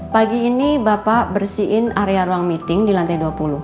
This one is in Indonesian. pagi ini bapak bersihin area ruang meeting di lantai dua puluh